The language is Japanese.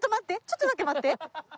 ちょっとだけ待って。